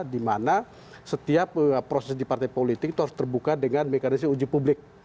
di mana setiap proses di partai politik itu harus terbuka dengan mekanis uji publik